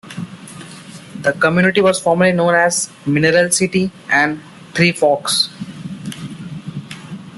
The community was formerly known as "Mineral City" and "Three Forks.